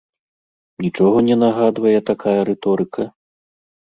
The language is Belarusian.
Нічога не нагадвае такая рыторыка?